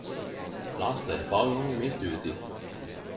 Las dei eit par gonger i mi studietid.